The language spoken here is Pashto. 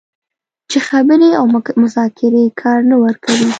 چې خبرې او مذاکرې کار نه ورکوي